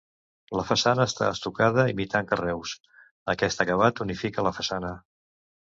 La façana està estucada imitant carreus, aquest acabat unifica la façana.